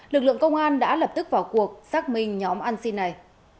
lực lượng công an đã lập tức vào cuộc xác minh nhóm xin này